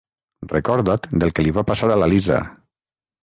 Recorda't del que li va passar a la Lisa.